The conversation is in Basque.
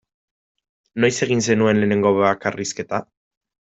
Noiz egin zenuen lehenengo bakarrizketa?